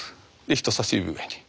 人さし指上に。